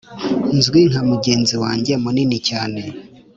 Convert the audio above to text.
nzwi nka mugenzi wanjye munini cyane.